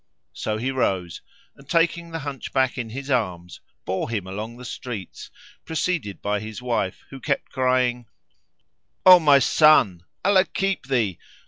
'" So he rose and taking the Hunchback in his arms bore him along the streets, preceded by his wife who kept crying, "O my son, Allah keep thee!